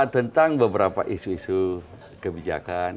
tentang beberapa isu isu kebijakan